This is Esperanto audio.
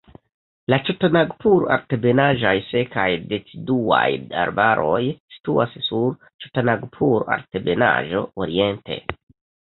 La ĉotanagpur-altebenaĵaj sekaj deciduaj arbaroj situas sur Ĉotanagpur-Altebenaĵo oriente.